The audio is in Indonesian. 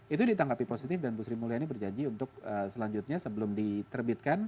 itu ditanggapi positif dan bu sri mulyani berjanji untuk selanjutnya sebelum diterbitkan